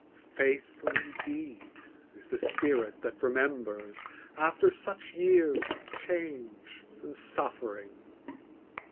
Faithful indeed is the spirit that remembers After such years of change and suffering!